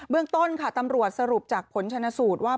เรื่องต้นค่ะตำรวจสรุปจากผลชนสูตรว่า